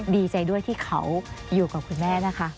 ดีใจด้วยที่เขาอยู่กับคุณแม่นะคะ